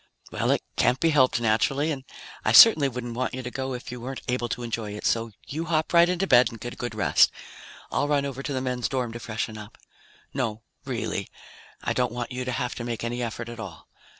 "Well, it can't be helped naturally, and I certainly wouldn't want you to go if you weren't able to enjoy it. So you hop right into bed and get a good rest. I'll run over to the men's dorm to freshen up. No, really, I don't want you to have to make any effort at all.